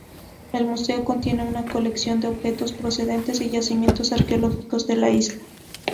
El museo contiene una colección de objetos procedentes de yacimientos arqueológicos de la isla.